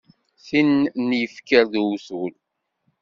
Tin n yifker d uwtul.